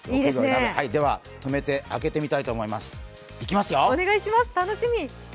では開けてみたいと思います。